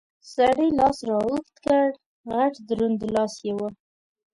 سړي لاس را اوږد کړ، غټ دروند لاس یې و.